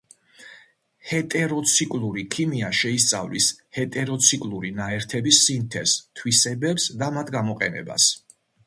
ჰეტეროციკლური ქიმია შეისწავლის ჰეტეროციკლური ნაერთების სინთეზს, თვისებებს და მათ გამოყენებას.